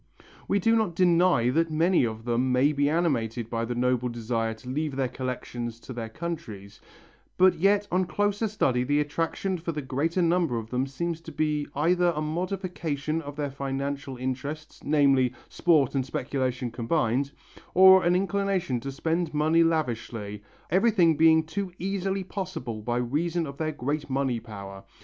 We do not deny that many of them may be animated by the noble desire to leave their collections to their countries, but yet on closer study the attraction for the greater number of them seems to be either a modification of their financial interests, namely, sport and speculation combined, or an inclination to spend money lavishly, everything being too easily possible by reason of their great money power.